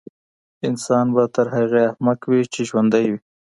انسان به تر هغې احمق وي چي ژوندی وي.